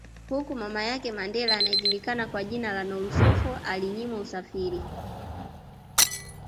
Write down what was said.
Huku mama yake Mandela anaejulikana kwa jina la Nolusapho alinyimwa usafiri